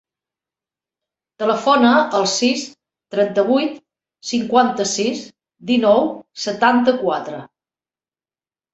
Telefona al sis, trenta-vuit, cinquanta-sis, dinou, setanta-quatre.